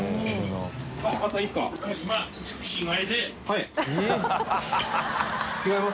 はい。